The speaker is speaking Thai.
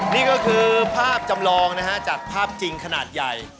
นี่ก็คือภาพจำลองนะฮะจากภาพจริงขนาดใหญ่